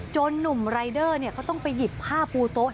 หนุ่มรายเดอร์เขาต้องไปหยิบผ้าปูโต๊ะ